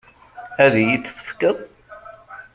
Ad iyi-t-tefkeḍ?